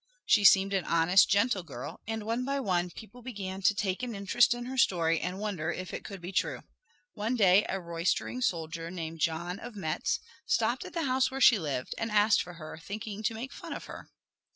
She seemed an honest, gentle girl, and one by one people began to take an interest in her story and wonder if it could be true. One day a roystering soldier named John of Metz stopped at the house where she lived, and asked for her, thinking to make fun of her.